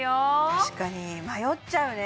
確かに迷っちゃうね